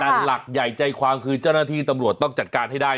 แต่หลักใหญ่ใจความคือเจ้าหน้าที่ตำรวจต้องจัดการให้ได้